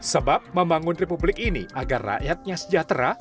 sebab membangun republik ini agar rakyatnya sejahtera